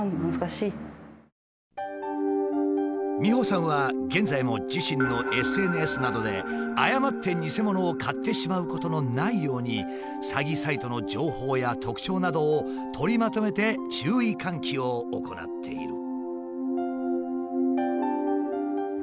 ｍｉｈｏさんは現在も自身のＳＮＳなどで誤って偽物を買ってしまうことのないように詐欺サイトの情報や特徴などを取りまとめて注意喚起を行っている。